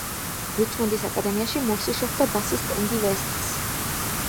რიჩმონდის აკადემიაში მორსი შეხვდა ბასისტ ენდი ვესტს.